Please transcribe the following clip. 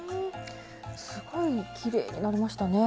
すごいきれいになりましたね！